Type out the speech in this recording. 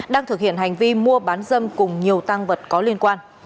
đang thực hiện hành vi mua bán dâm cùng nhiều tăng vật có liên quan